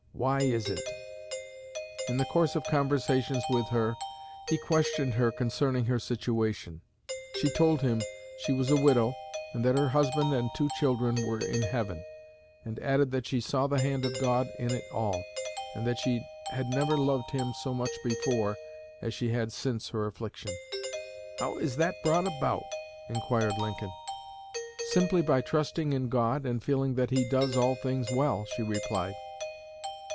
Why is it?' In the course of conversations with her, he questioned her concerning her situation. She told him she was a widow, and that her husband and two children were in heaven; and added that she saw the hand of God in it all, and that she had never loved Him so much before as she had since her affliction. 'How is that brought about?' inquired Mr. Lincoln. 'Simply by trusting in God, and feeling that He does all things well,' she replied.